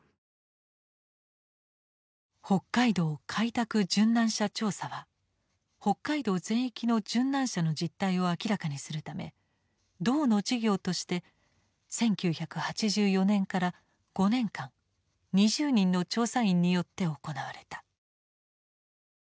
「北海道開拓殉難者調査」は北海道全域の殉難者の実態を明らかにするため道の事業として１９８４年から５年間２０人の調査員によって行われた。